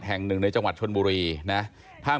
แห่งหนึ่งในจังหวัดชนบุรีนะ